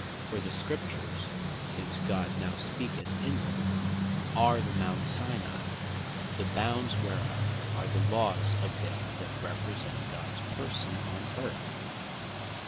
For the Scriptures since God now speaketh in them, are the Mount Sinai; the bounds whereof are the Laws of them that represent Gods Person on Earth.